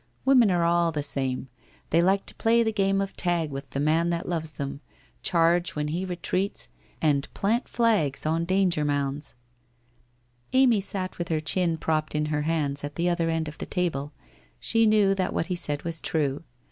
Women are all the same, they like to play the game of tag with the man that loves them, charge when he retreats, and plant flags on danger mounds/ Amy sat with her chin propped in her hands at the other end of the table, she knew that what he said was true.